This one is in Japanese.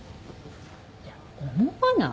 いや思わない？